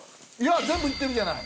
全部行ってるじゃない！